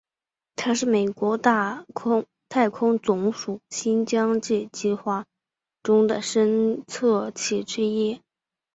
它是美国太空总署新疆界计画计划中的探测器之一。